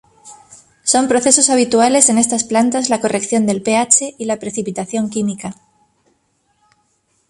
Son procesos habituales en estas plantas la corrección del pH y la precipitación química.